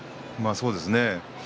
そうですね